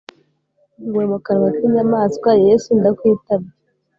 Nkuwe mu kanwa k’inyamaswa yesu ndakwitabye